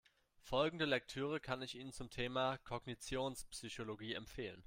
Folgende Lektüre kann ich Ihnen zum Thema Kognitionspsychologie empfehlen.